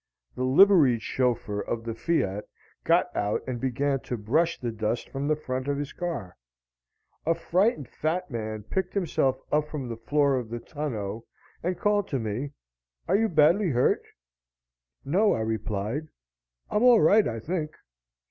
The liveried chauffeur of the Fiat got out and began to brush the dust from the front of his car. A frightened fat man picked himself up from the floor of the tonneau and called to me, "Are you badly hurt?" "No," I replied. "I'm all right, I think."